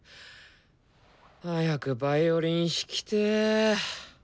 早くヴァイオリン弾きてぇ。